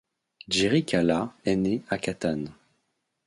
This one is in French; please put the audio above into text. Jerry Calà est né à Catane.